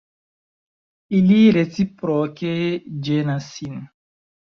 Ili reciproke ĝenas sin.